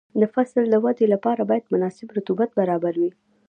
د فصل د ودې لپاره باید مناسب رطوبت برابر وي.